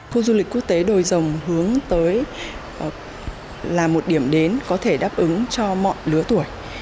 khu du lịch quốc tế đồi dồng hướng tới là một điểm đến có thể đáp ứng cho mọi lứa tuổi